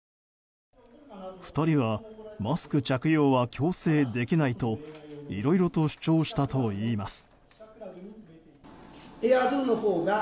２人は、マスク着用は強制できないといろいろと主張したといいます。